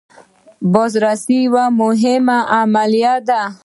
بازرسي یوه مهمه عملیه ده.